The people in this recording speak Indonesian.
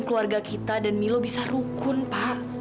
keluarga kita dan milo bisa rukun pak